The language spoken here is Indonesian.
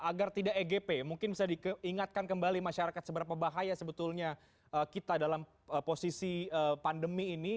agar tidak egp mungkin bisa diingatkan kembali masyarakat seberapa bahaya sebetulnya kita dalam posisi pandemi ini